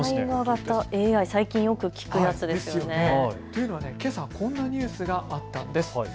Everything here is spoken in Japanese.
最近よく聞くやつですよね。というのは、けさこんなニュースがあったんです。